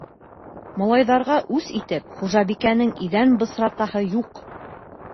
Малайҙарға үс итеп, хужабикәнең иҙәнен бысратаһы юҡ.